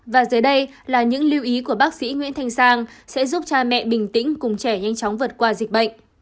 và dưới đây là những lưu ý của bác sĩ nguyễn thanh sang sẽ giúp cha mẹ bình tĩnh cùng trẻ nhanh chóng vượt qua dịch bệnh